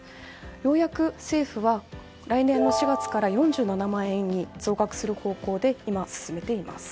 ようやく政府は来年の４月から４７万円に増額する方向で今進めています。